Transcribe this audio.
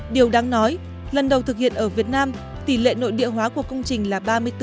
điều đáng nói lần đầu thực hiện ở việt nam tỷ lệ nội địa hóa của công trình là ba mươi bốn